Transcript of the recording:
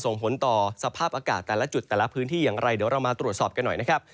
ส่งผลต่อสภาพอากาศแต่ละจุดแต่ละพื้นที่อย่างไรเดี๋ยวเรามาตรวจสอบกันหน่อยนะครับ